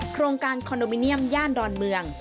โครงการคอนโดมิเนียมย่านดอนเมือง